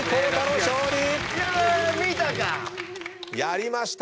やりました！